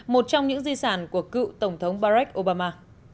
một trong những di sản của cựu tổng thống barech obama